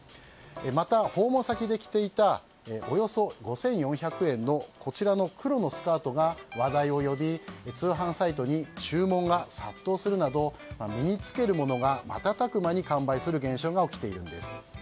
また、訪問先で着ていたおよそ５４００円の黒のスカートが話題を呼び通販サイトに注文が殺到するなど身に着けるものが瞬く間に完売する現象が起きているんです。